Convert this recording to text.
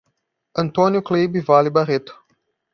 Antônio Cleibe Vale Barreto